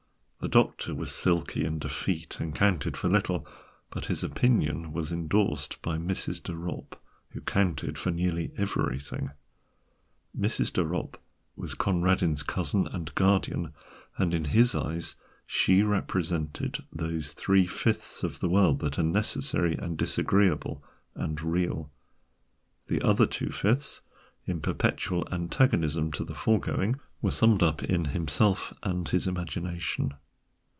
The doctor was silky and effete, and counted for little, but his opinion was endorsed by Mrs. de Ropp, who counted for nearly everything. Mrs. De Ropp was Conradin's cousin and guardian, and in his eyes she represented those three fifths of the world that are necessary and disagreeable and real; the other two fifths, in perpetual antagonism to the foregoing, were summed up in himself and his imagination.